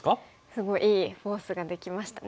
すごいいいフォースができましたね。